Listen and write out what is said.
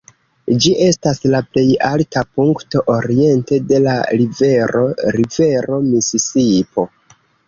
Ĝi estas la plej alta punkto oriente de la Rivero Rivero Misisipo.